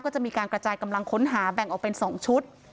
ก็จะมีการกระจายกำลังค้นหาแบ่งออกเป็น๒ชุด